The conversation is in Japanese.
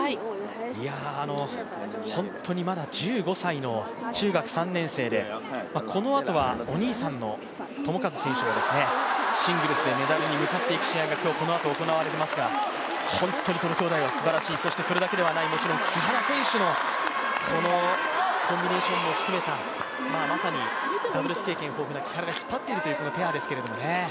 本当にまだ１５歳の中学３年生で、このあとはお兄さんの智和選手がシングルスでメダルに向かっていく試合がこのあと行われますが、本当にこのきょうだいはすばらしい、それだけではない、もちろん木原選手のコンビネーションも含めたまさにダブルス経験豊富な木原が引っ張っているペアですね。